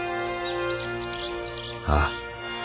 ああ。